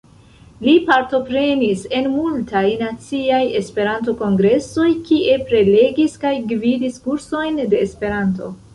Li partoprenis en multaj naciaj Esperanto-kongresoj kie prelegis kaj gvidis kursojn de Esperanto.